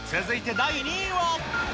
続いて第２位は。